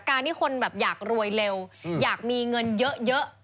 ที่คนแบบอยากรวยเร็วอยากมีเงินเยอะ